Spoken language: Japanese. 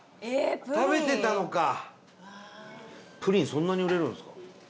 そんなに売れるんですか？